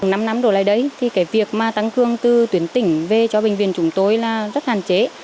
năm năm đổi lại đấy thì cái việc mà tăng cường từ tuyến tỉnh về cho bệnh viện chúng tôi là rất hạn chế